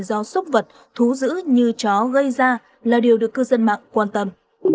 do sốc vật thú giữ như chó gây ra là điều được cư dân mạng quan tâm